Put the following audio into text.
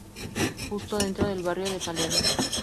Justo, dentro del barrio de Palermo.